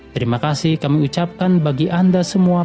terima kasih kami ucapkan bagi anda semua